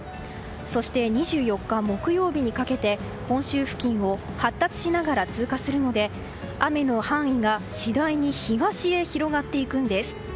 そして２４日、木曜日にかけて本州付近を発達しながら通過するので雨の範囲が次第に東へ広がっていくんです。